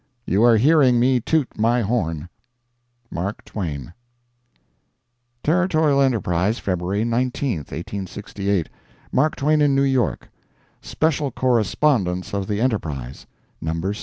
You are hearing me toot my horn! MARK TWAIN. Territorial Enterprise, February 19, 1868 MARK TWAIN IN NEW YORK. (SPECIAL CORRESPONDENCE OF THE ENTERPRISE) [NUMBER VI.